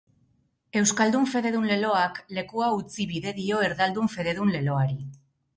Euskaldun fededun leloak lekua utzi bide dio erdaldun fededun leloari.